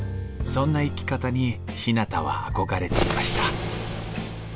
そんな生き方にひなたは憧れていました。